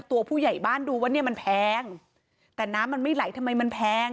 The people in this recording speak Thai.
ตัวผู้ใหญ่บ้านดูว่าเนี่ยมันแพงแต่น้ำมันไม่ไหลทำไมมันแพง